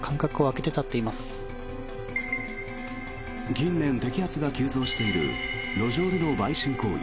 近年摘発が急増している路上での売春行為。